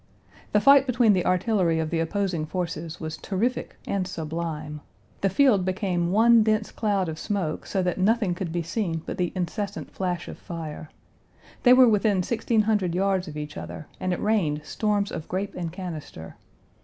The fight between the artillery of the opposing forces was terrific and sublime. The field became one dense cloud of smoke, so that nothing could be seen, but the incessant flash of fire. They were within sixteen hundred yards of each other and it rained storms of grape and canister.